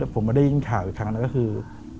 ผมมาได้ยินข่าวอีกครั้งนั้นก็คือ